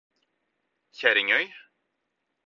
Kjerringøy